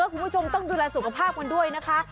คุณผู้ชมต้องดูแลสุขภาพกันด้วยนะคะ